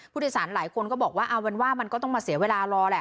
ผู้โดยสารหลายคนก็บอกว่าวันว่ามันก็ต้องมาเสียเวลารอแหละ